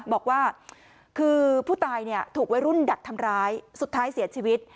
บอกว่าคือผู้ตายถูกวัยรุ่นดักทำร้ายสุดท้ายเสียชีวิต